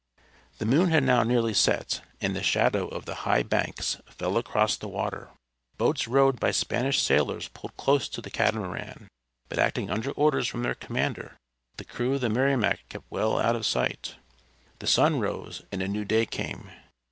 The moon had now nearly set, and the shadow of the high banks fell across the water. Boats rowed by Spanish sailors pulled close to the catamaran; but acting under orders from their commander the crew of the Merrimac kept well out of sight. The sun rose, and a new day came.